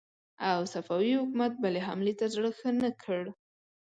او صفوي حکومت بلې حملې ته زړه ښه نه کړ.